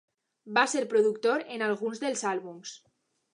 Va ser productor en alguns dels àlbums.